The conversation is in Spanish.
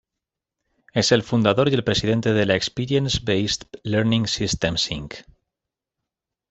Es el fundador y el presidente de la Experience Based Learning Systems, Inc.